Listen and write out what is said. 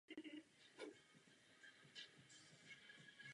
Navíc musíme obohatit náš energetický mix.